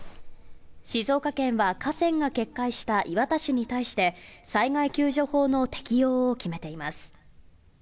静岡県は河川が決壊した磐田市に対して、災害救助法の適用を決めています。